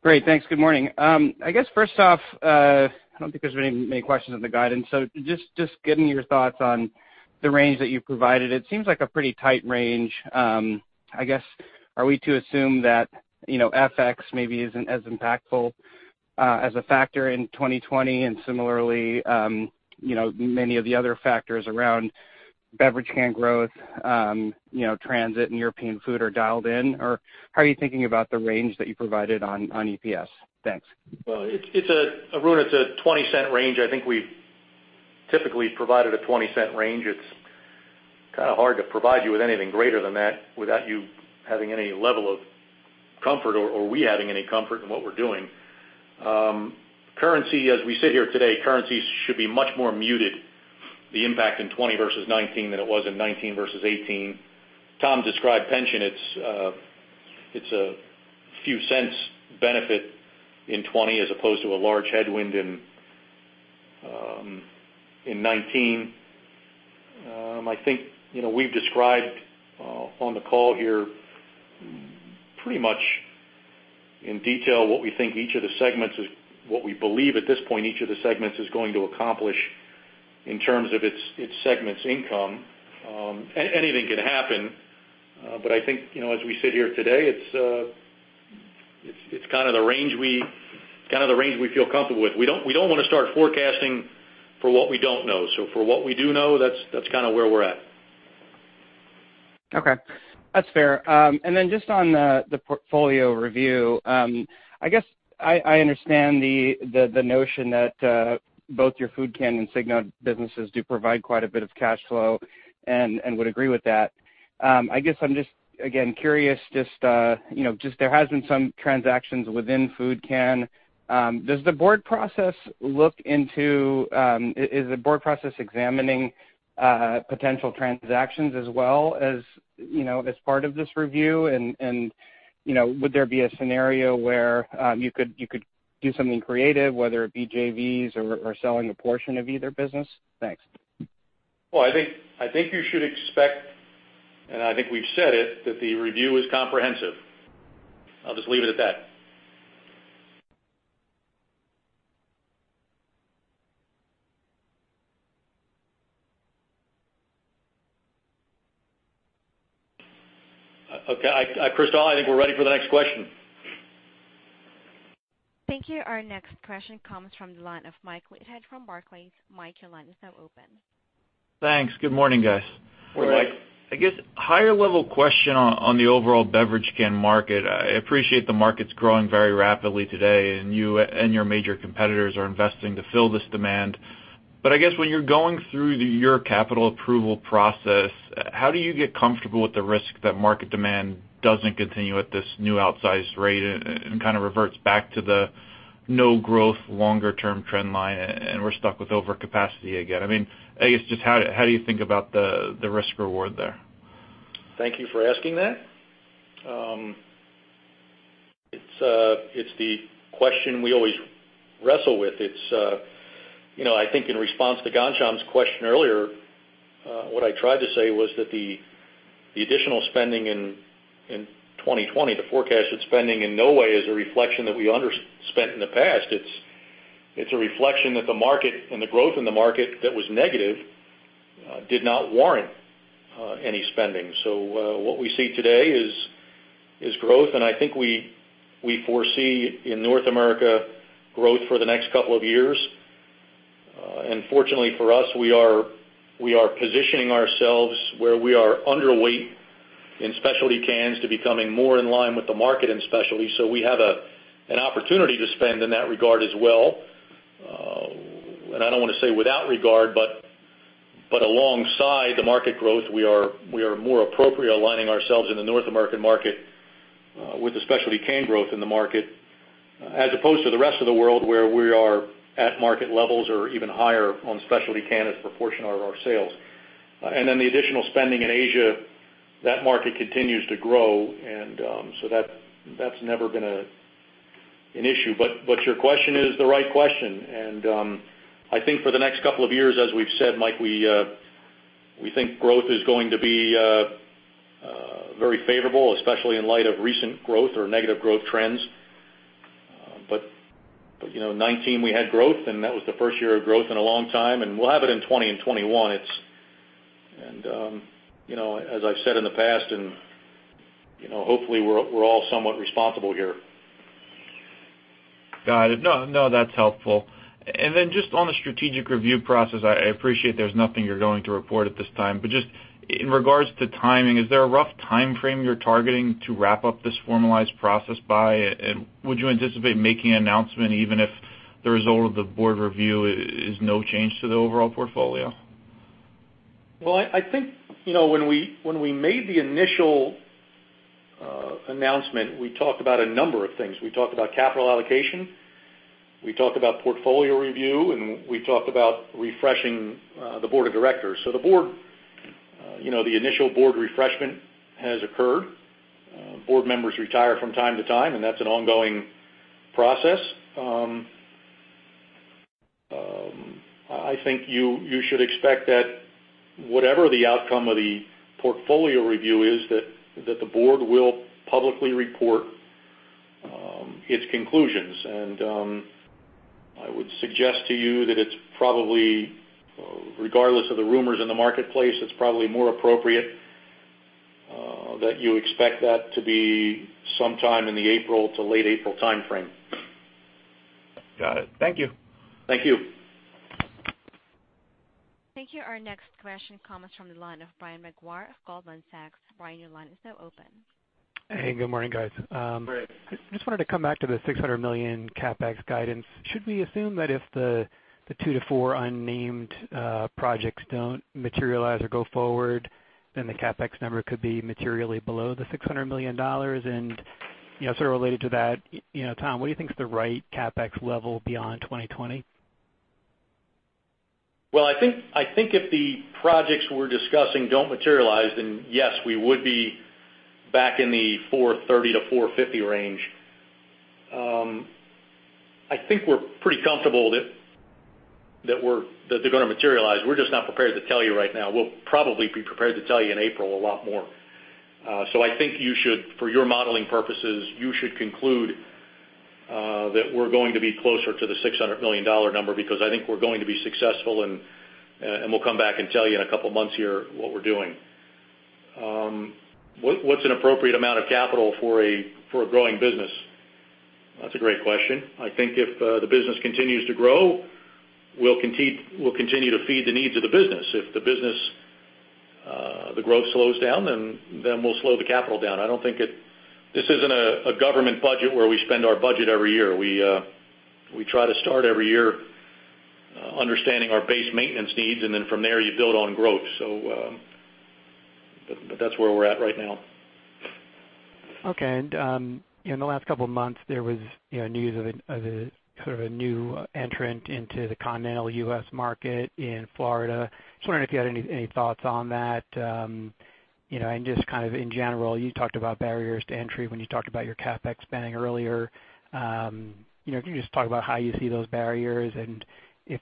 Great. Thanks. Good morning. I guess first off, I don't think there's really many questions on the guidance. Just getting your thoughts on the range that you've provided. It seems like a pretty tight range. I guess, are we to assume that FX maybe isn't as impactful as a factor in 2020, and similarly, many of the other factors around beverage can growth, Transit, and European Food are dialed in? How are you thinking about the range that you provided on EPS? Thanks. Arun, it's a $0.20 range. I think we've typically provided a $0.20 range. It's kind of hard to provide you with anything greater than that without you having any level of comfort or we having any comfort in what we're doing. Currency, as we sit here today, currency should be much more muted, the impact in 2020 versus 2019 than it was in 2019 versus 2018. Tom described pension. It's a few cents benefit in 2020 as opposed to a large headwind in 2019. I think we've described on the call here pretty much in detail what we believe at this point each of the segments is going to accomplish in terms of its segment's income. Anything can happen. I think as we sit here today, it's kind of the range we feel comfortable with. We don't want to start forecasting for what we don't know. For what we do know, that's kind of where we're at. Okay. That's fair. Just on the portfolio review. I guess I understand the notion that both your Food Can and Signode businesses do provide quite a bit of cash flow and would agree with that. I guess I'm just, again, curious, there has been some transactions within Food Can. Is the board process examining potential transactions as well as part of this review? Would there be a scenario where you could do something creative, whether it be JVs or selling a portion of either business? Thanks. Well, I think you should expect, and I think we've said it, that the review is comprehensive. I'll just leave it at that. Okay, Crystal, I think we're ready for the next question. Thank you. Our next question comes from the line of Michael Leithead from Barclays. Mike, your line is now open. Thanks. Good morning, guys. Morning, Mike. I guess higher level question on the overall beverage can market. I appreciate the market's growing very rapidly today, and you and your major competitors are investing to fill this demand. I guess when you're going through your capital approval process, how do you get comfortable with the risk that market demand doesn't continue at this new outsized rate and kind of reverts back to the no growth, longer term trend line, and we're stuck with overcapacity again? I guess, just how do you think about the risk reward there? Thank you for asking that. It's the question we always wrestle with. I think in response to Ghansham's question earlier, what I tried to say was that the additional spending in 2020, the forecasted spending, in no way is a reflection that we underspent in the past. It's a reflection that the market and the growth in the market that was negative did not warrant any spending. What we see today is growth, and I think we foresee in North America growth for the next couple of years. Fortunately for us, we are positioning ourselves where we are underweight in specialty cans to becoming more in line with the market in specialty. We have an opportunity to spend in that regard as well. I don't want to say without regard, but alongside the market growth, we are more appropriate aligning ourselves in the North American market, with the specialty can growth in the market, as opposed to the rest of the world, where we are at market levels or even higher on specialty can as proportion of our sales. The additional spending in Asia, that market continues to grow. That's never been an issue, your question is the right question, and I think for the next couple of years, as we've said, Mike, we think growth is going to be very favorable, especially in light of recent growth or negative growth trends. 2019 we had growth, and that was the first year of growth in a long time, and we'll have it in 2020 and 2021. As I've said in the past, and hopefully we're all somewhat responsible here. Got it. No, that's helpful. Then just on the strategic review process, I appreciate there's nothing you're going to report at this time, but just in regards to timing, is there a rough timeframe you're targeting to wrap up this formalized process by? Would you anticipate making an announcement even if the result of the board review is no change to the overall portfolio? I think when we made the initial announcement, we talked about a number of things. We talked about capital allocation, we talked about portfolio review, and we talked about refreshing the Board of Directors. The initial Board refreshment has occurred. Board members retire from time-to-time, and that's an ongoing process. I think you should expect that whatever the outcome of the portfolio review is, that the Board will publicly report its conclusions. I would suggest to you that it's probably, regardless of the rumors in the marketplace, it's probably more appropriate that you expect that to be sometime in the April to late April timeframe. Got it. Thank you. Thank you. Thank you. Our next question comes from the line of Brian Maguire of Goldman Sachs. Brian, your line is now open. Hey, good morning, guys. Morning. Just wanted to come back to the $600 million CapEx guidance. Should we assume that if the two to four unnamed projects don't materialize or go forward, the CapEx number could be materially below the $600 million? Sort of related to that, Tom, what do you think is the right CapEx level beyond 2020? Well, I think if the projects we're discussing don't materialize, then yes, we would be back in the $430-$450 range. I think we're pretty comfortable that they're going to materialize. We're just not prepared to tell you right now. We'll probably be prepared to tell you in April a lot more. I think for your modeling purposes, you should conclude that we're going to be closer to the $600 million number, because I think we're going to be successful, and we'll come back and tell you in a couple of months here what we're doing. What's an appropriate amount of capital for a growing business? That's a great question. I think if the business continues to grow, we'll continue to feed the needs of the business. If the growth slows down, we'll slow the capital down. This isn't a government budget where we spend our budget every year. We try to start every year understanding our base maintenance needs, and then from there, you build on growth. That's where we're at right now. Okay. In the last couple of months, there was news of a new entrant into the continental U.S. market in Florida. Just wondering if you had any thoughts on that. Just kind of in general, you talked about barriers to entry when you talked about your CapEx spending earlier. Can you just talk about how you see those barriers and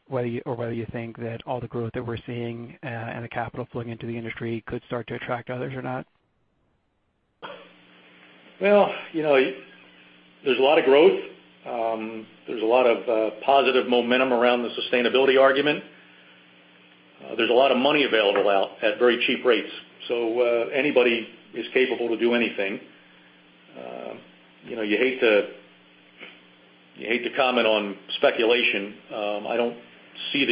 whether you think that all the growth that we're seeing and the capital flowing into the industry could start to attract others or not? Well, there's a lot of growth. There's a lot of positive momentum around the sustainability argument. There's a lot of money available out at very cheap rates. Anybody is capable to do anything. You hate to comment on speculation. I don't see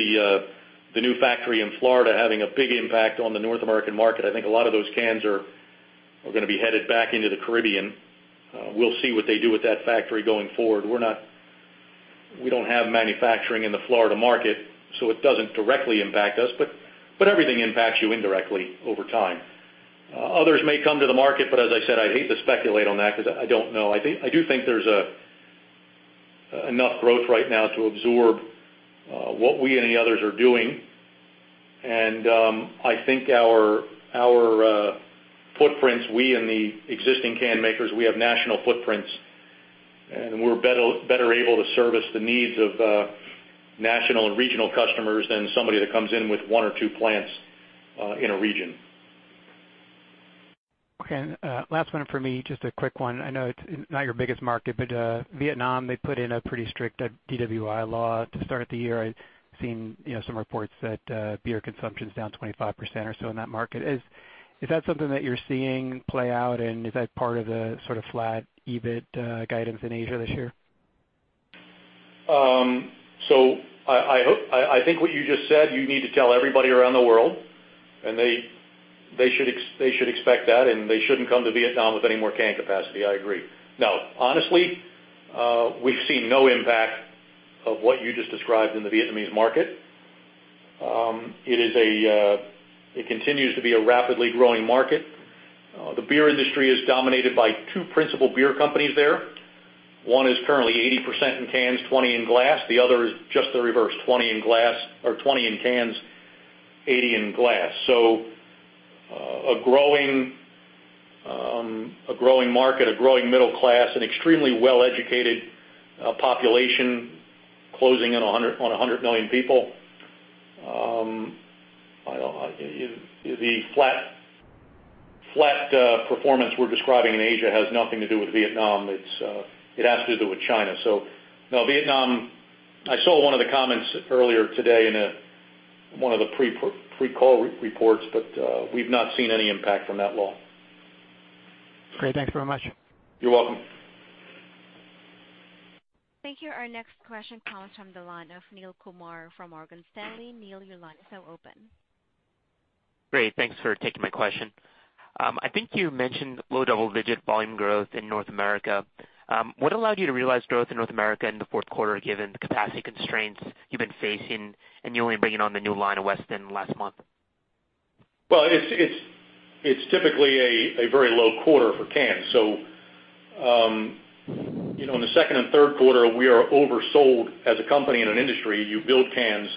the new factory in Florida having a big impact on the North American market. I think a lot of those cans are going to be headed back into the Caribbean. We'll see what they do with that factory going forward. We don't have manufacturing in the Florida market, so it doesn't directly impact us, but everything impacts you indirectly over time. Others may come to the market, but as I said, I'd hate to speculate on that because I don't know. I do think there's enough growth right now to absorb what we and the others are doing. I think our footprints, we and the existing can makers, we have national footprints, and we're better able to service the needs of national and regional customers than somebody that comes in with one or two plants in a region. Okay. Last one for me, just a quick one. I know it's not your biggest market, but Vietnam, they put in a pretty strict DWI law to start the year. I've seen some reports that beer consumption is down 25% or so in that market. Is that something that you're seeing play out, and is that part of the sort of flat EBIT guidance in Asia this year? I think what you just said, you need to tell everybody around the world, and they should expect that, and they shouldn't come to Vietnam with any more can capacity. I agree. No. Honestly, we've seen no impact of what you just described in the Vietnamese market. It continues to be a rapidly growing market. The beer industry is dominated by two principal beer companies there. One is currently 80% in cans, 20% in glass. The other is just the reverse, 20% in glass or 20% in cans, 80% in glass. A growing market, a growing middle class, an extremely well-educated population closing in on 100 million people. The flat performance we're describing in Asia has nothing to do with Vietnam. It has to do with China. No, Vietnam, I saw one of the comments earlier today in one of the pre-call reports, but we've not seen any impact from that law. Great. Thanks very much. You're welcome. Thank you. Our next question comes from the line of Neel Kumar from Morgan Stanley. Neel, your line is now open. Great. Thanks for taking my question. I think you mentioned low double-digit volume growth in North America. What allowed you to realize growth in North America in the fourth quarter, given the capacity constraints you've been facing and you only bringing on the new line in Weston last month? Well, it's typically a very low quarter for cans. In the second and third quarter, we are oversold as a company in an industry. You build cans,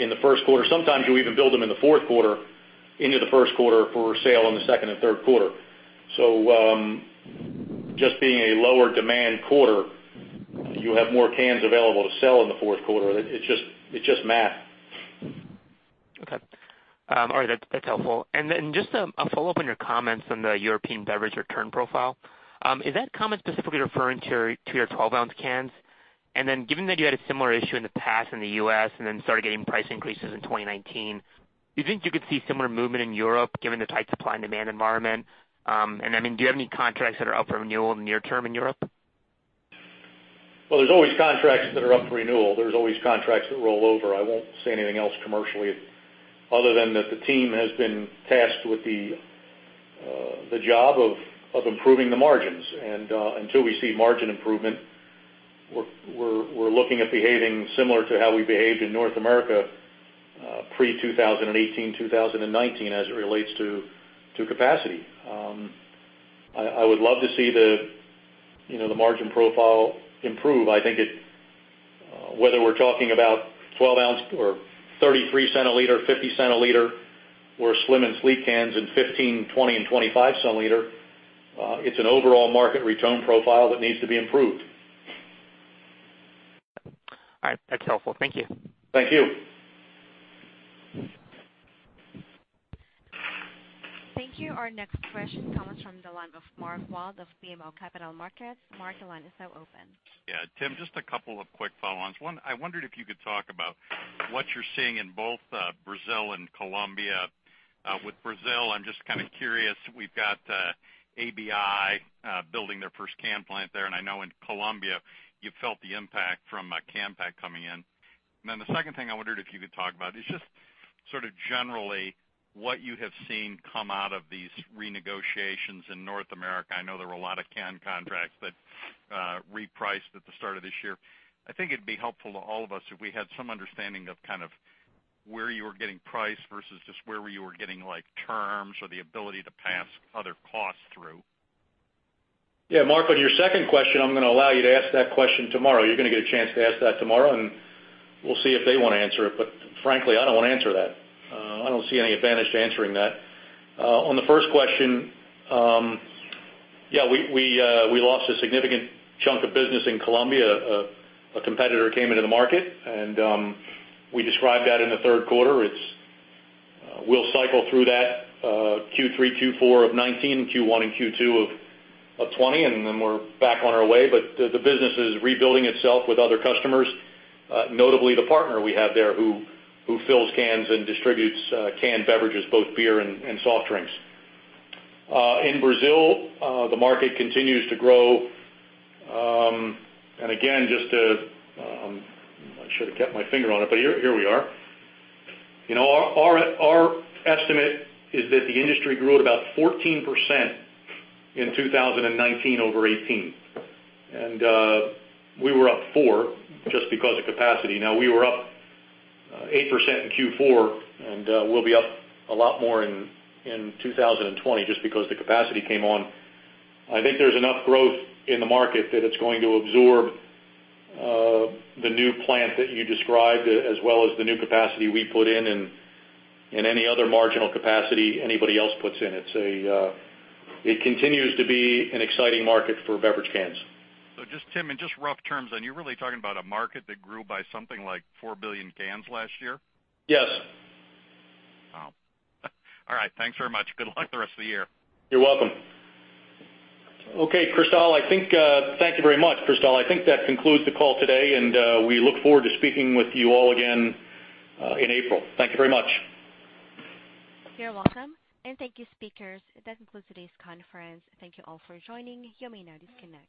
in the first quarter. Sometimes you even build them in the fourth quarter into the first quarter for sale in the second and third quarter. Just being a lower demand quarter, you have more cans available to sell in the fourth quarter. It's just math. Okay. All right. That's helpful. Just a follow-up on your comments on the European Beverage return profile. Is that comment specifically referring to your 12-ounce cans? Given that you had a similar issue in the past in the U.S. and then started getting price increases in 2019, do you think you could see similar movement in Europe given the tight supply and demand environment? Do you have any contracts that are up for renewal in the near term in Europe? Well, there's always contracts that are up for renewal. There's always contracts that roll over. I won't say anything else commercially other than that the team has been tasked with the job of improving the margins. Until we see margin improvement, we're looking at behaving similar to how we behaved in North America, pre-2018, 2019, as it relates to capacity. I would love to see the margin profile improve. I think whether we're talking about 12 ounce or 33 centiliter, 50 centiliter, or slim and sleek cans in 15, 20, and 25 centiliter, it's an overall market return profile that needs to be improved. All right. That's helpful. Thank you. Thank you. Thank you. Our next question comes from the line of Mark Wilde of BMO Capital Markets. Mark, the line is now open. Tim, just a couple of quick follow-ons. I wondered if you could talk about what you're seeing in both Brazil and Colombia. With Brazil, I'm just kind of curious. We've got ABI building their first can plant there. I know in Colombia you felt the impact from Canpack coming in. The second thing I wondered if you could talk about is just sort of generally what you have seen come out of these renegotiations in North America. I know there were a lot of can contracts that repriced at the start of this year. I think it'd be helpful to all of us if we had some understanding of kind of where you were getting price versus just where you were getting terms or the ability to pass other costs through. Yeah, Mark, on your second question, I'm going to allow you to ask that question tomorrow. You're going to get a chance to ask that tomorrow, and we'll see if they want to answer it. Frankly, I don't want to answer that. I don't see any advantage to answering that. On the first question, yeah, we lost a significant chunk of business in Colombia. A competitor came into the market, and we described that in the third quarter. We'll cycle through that Q3, Q4 of 2019, Q1 and Q2 of 2020, and then we're back on our way. The business is rebuilding itself with other customers, notably the partner we have there who fills cans and distributes canned beverages, both beer and soft drinks. In Brazil, the market continues to grow. Again, I should have kept my finger on it, but here we are. Our estimate is that the industry grew at about 14% in 2019 over 2018. We were up 4% just because of capacity. Now, we were up 8% in Q4, and we'll be up a lot more in 2020 just because the capacity came on. I think there's enough growth in the market that it's going to absorb the new plant that you described, as well as the new capacity we put in and any other marginal capacity anybody else puts in. It continues to be an exciting market for beverage cans. Tim, in just rough terms then, you're really talking about a market that grew by something like four billion cans last year? Yes. Wow. All right. Thanks very much. Good luck the rest of the year. You're welcome. Okay, Crystal. Thank you very much, Crystal. I think that concludes the call today, and we look forward to speaking with you all again in April. Thank you very much. You're welcome, and thank you, speakers. That concludes today's conference. Thank you all for joining. You may now disconnect.